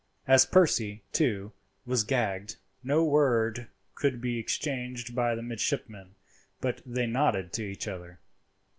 As Percy, too, was gagged, no word could be exchanged by the midshipmen, but they nodded to each other.